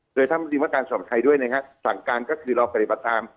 โดยท่านมันลิมนศ์การสวรรค์ไทยด้วยนะครับสั่งการก็คือเราไปในประตาม